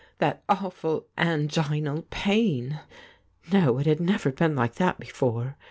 That awful anginal pain ! No, it had never been like that before.